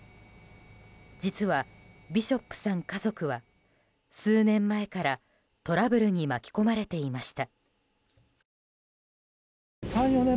実は、ビショップさん家族は数年前からトラブルに巻き込まれていました。